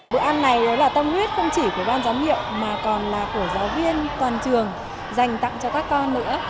bữa ăn này đó là tâm huyết không chỉ của ban giám hiệu mà còn là của giáo viên toàn trường dành tặng cho các con nữa